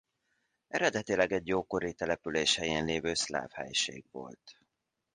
Eredetileg egy ókori település helyén lévő szláv helység volt.